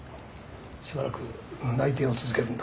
しばらく内偵を続けるんだ。